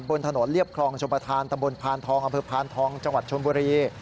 บนถนนเรียบคลองชมประทานตำบลพานทองอพทองจชนบุรี